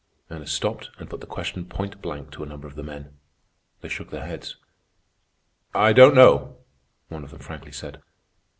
Ernest stopped and put the question point blank to a number of the men. They shook their heads. "I don't know," one of them frankly said.